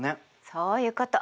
そういうこと！